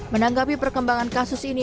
menanggapi perkembangan kasus ini